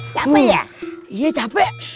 capek ya iya capek